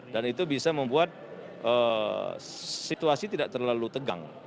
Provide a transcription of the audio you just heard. dan itu bisa membuat situasi tidak terlalu tegang